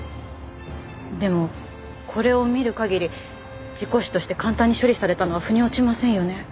でもこれを見る限り事故死として簡単に処理されたのは腑に落ちませんよね。